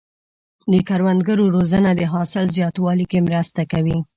د کروندګرو روزنه د حاصل زیاتوالي کې مرسته کوي.